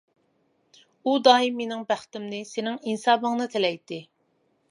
ئۇ دائىم مىنىڭ بەختىمنى، سېنىڭ ئىنسابىڭنى تىلەيتتى.